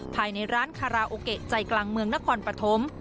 ภายในร้านคาราโอเกะใจกลางเมืองนครปฐม